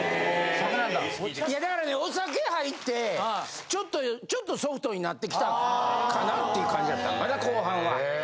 ・酒なんだ・だからねお酒入ってちょっとちょっとソフトになってきたかなっていう感じやったんかな後半は。